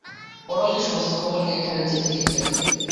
পটলকে সমস্ত খবর দিয়া একখানি চিঠিও লিখিয়া দিল।